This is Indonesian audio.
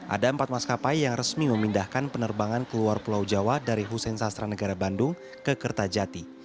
ada empat maskapai yang resmi memindahkan penerbangan keluar pulau jawa dari hussein sastra negara bandung ke kertajati